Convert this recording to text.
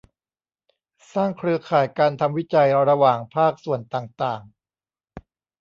สร้างเครือข่ายการทำวิจัยระหว่างภาคส่วนต่างต่าง